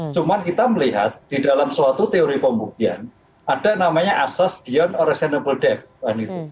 cuma kita melihat di dalam suatu teori pembuktian ada namanya asas beyond reasonable deven